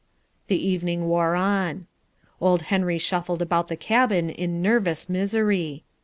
The evening wore on. Old Henry shuffled about the cabin in nervous misery.